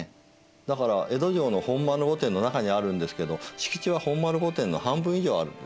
だから江戸城の本丸御殿の中にあるんですけど敷地は本丸御殿の半分以上あるんですね。